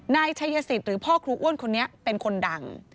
นายชัยสิทธิ์หรือพ่อครูอ้วนคนนี้เป็นคนดัง